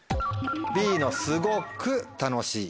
Ｂの「すごく楽しい」。